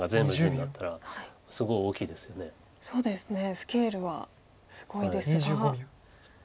スケールはすごいですが。